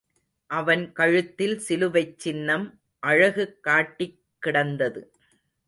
அவன் கழுத்தில் சிலுவைச் சின்னம் அழகு காட்டிக் கிடந்தது.